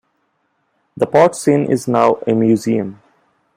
The Potts Inn is now a museum.